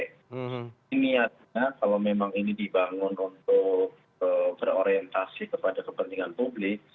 ini niatnya kalau memang ini dibangun untuk berorientasi kepada kepentingan publik